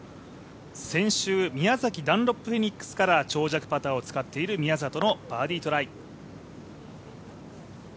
先週、宮崎ダンロップフェニックスから長尺パターを使っている宮里のバーディートライ。